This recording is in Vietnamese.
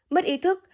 mất ý thức